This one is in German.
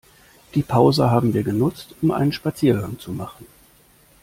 Die Pause haben wir genutzt, um einen Spaziergang zu machen.